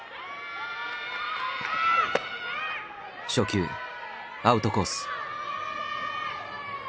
初球アウトコース。